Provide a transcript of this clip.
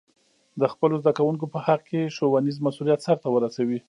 د خپلو زده کوونکو په حق کې ښوونیز مسؤلیت سرته ورسوي.